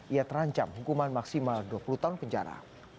ia terancam hukuman maksimal dua puluh tahun penjara